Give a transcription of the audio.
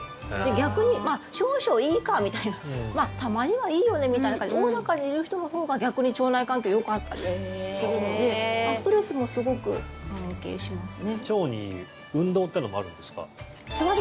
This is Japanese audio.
逆に、少々いいかたまにはいいよねって感じでおおらかにいる人のほうが逆に腸内環境よかったりするのでストレスもすごく関係しますね。